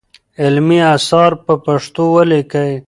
علمي اثار په پښتو ولیکئ.